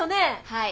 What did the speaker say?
はい。